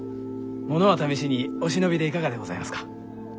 ものは試しにお忍びでいかがでございますか？